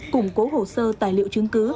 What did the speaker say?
củng cố hồ sơ tài liệu chứng cứ